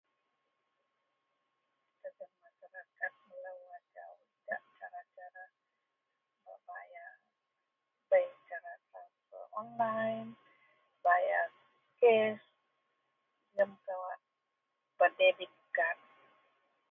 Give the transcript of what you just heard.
[unintelligible] idak cara-cara bak bayar, bei cara tranfer online, bayar cash jegum kawak bak debit kad